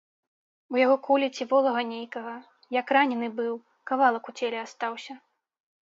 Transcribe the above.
У яго кулі ці волава нейкага, як ранены быў, кавалак у целе астаўся.